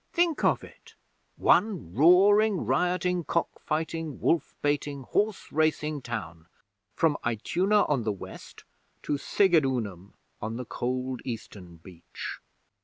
Think of it! One roaring, rioting, cock fighting, wolf baiting, horse racing town, from Ituna on the West to Segedunum on the cold eastern beach!